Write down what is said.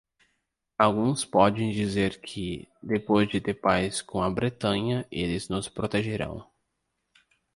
Alguns podem dizer que, depois de ter paz com a Bretanha, eles nos protegerão.